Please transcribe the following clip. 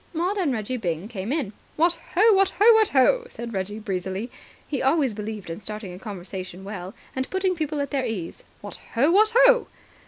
Maud and Reggie Byng came in. "What ho, what ho, what ho!" said Reggie breezily. He always believed in starting a conversation well, and putting people at their ease. "What ho! What ho!"